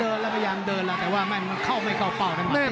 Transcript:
พยายามเดินแล้วแต่ว่ามันเข้าไม่เข้าเปล่า